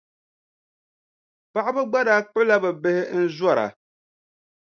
Paɣiba gba daa kpuɣila bɛ bihi n-zɔra.